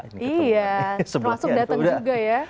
iya termasuk datang juga ya